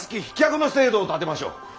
飛脚の制度を立てましょう。